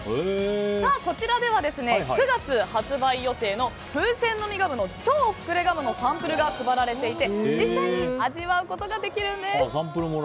こちらでは９月発売予定のふせんの実ガムの“超ふくれガム”のサンプルが配られていて実際に味わうことができるんです。